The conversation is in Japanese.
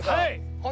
はい。